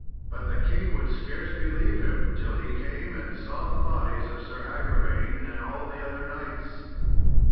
But the king would scarce believe him till he came and saw the bodies of Sir Agravaine and all the other knights.